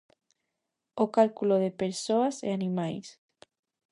O Cálculo de persoas e animais.